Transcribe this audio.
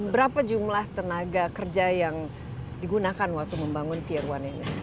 berapa jumlah tenaga kerja yang digunakan waktu membangun tier one ini